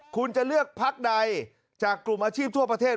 คุณจะเลือกพักใดจากกลุ่มอาชีพทั่วประเทศ